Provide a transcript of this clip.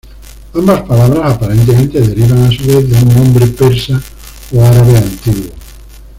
Ambas palabras aparentemente derivan a su vez de un nombre persa o árabe antiguo.